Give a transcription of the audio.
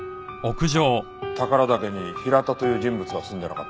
宝良岳にヒラタという人物は住んでなかった。